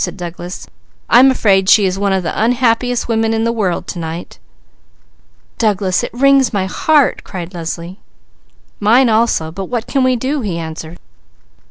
said Douglas. "I am afraid she is one of the unhappiest women in the world to night!" "Douglas, it wrings my heart!" cried Leslie. "Mine also, but what can we do?" he answered.